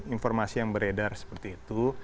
informasi yang beredar seperti itu